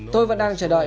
tôi vẫn đang chờ đón